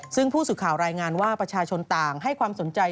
ซึ่งผู้สื่อข่าวรายงานว่าประชาชนต่างให้ความสนใจ